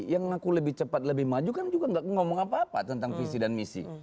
yang ngaku lebih cepat lebih maju kan juga gak ngomong apa apa tentang visi dan misi